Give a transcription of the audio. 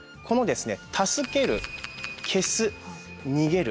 助ける消す逃げる